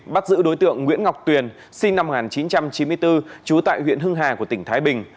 bắt giữ đối tượng nguyễn ngọc tuyền sinh năm một nghìn chín trăm chín mươi bốn trú tại huyện hưng hà của tỉnh thái bình